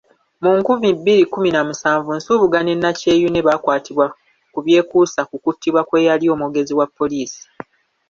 Mu nkumi bbiri kumina musanvu, Nsubuga ne Nakyeyune baakwatibwa ku byekuusa kukuttibwa kweyali omwogezi wa Poliisi.